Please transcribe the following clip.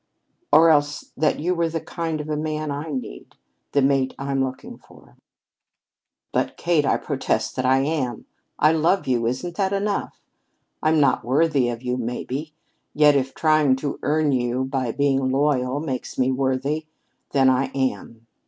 "Or else that you were the kind of a man I need, the mate I'm looking for!" "But, Kate, I protest that I am. I love you. Isn't that enough? I'm not worthy of you, maybe. Yet if trying to earn you by being loyal makes me worthy, then I am.